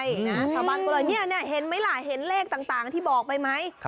ชาวบ้านก็เลยเห็นไหมล่ะเห็นเลขต่างที่บอกไปไหม